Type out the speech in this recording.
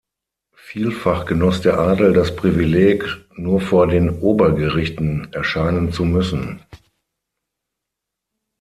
Vielfach genoss der Adel das Privileg, nur vor den Obergerichten erscheinen zu müssen.